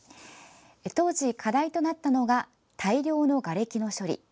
当時、課題となったのが大量のがれきの処理。